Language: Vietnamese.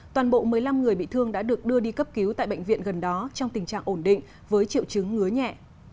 toàn bộ một mươi năm người bị thương đã được đưa đi cấp cứu tại bệnh viện gần đó trong tình trạng ổn định với triệu chứng ngứa nhẹ